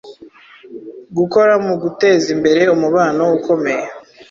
gukora mugutezimbere umubano ukomeye